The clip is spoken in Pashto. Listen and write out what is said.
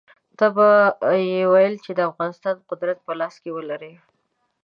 تل به یې ویل چې د افغانستان قدرت په لاس کې ولري.